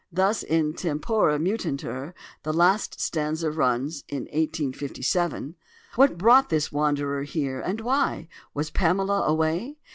Thus in "Tempora Mutantur" the last stanza runs, in 1857: "What brought this wanderer here, and why Was Pamela away?